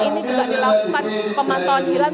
ini juga dilakukan pemantauan hilal